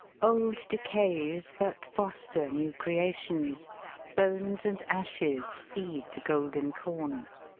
" Old decays but foster new creations ; Bones and ashes feed the golden corn."